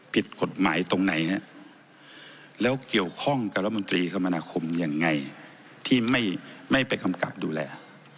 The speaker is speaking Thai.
ผิดกฎหมายตรงไหนฮะแล้วเกี่ยวข้องกับรัฐมนตรีคมนาคมยังไงที่ไม่ไปกำกับดูแล